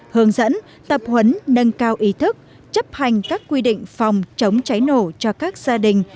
hướng dẫn tập huấn nâng cao ý thức chấp hành các quy định phòng chống cháy nổ cho các gia đình